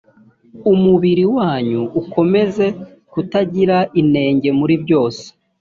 umubiri wanyu ukomeze kutagira inenge muri byose